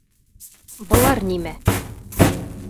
Былар нимә?